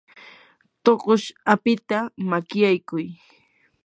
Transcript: tuqush apita makyaykuy.